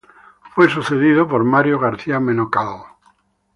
Fue sucedido por Mario García Menocal.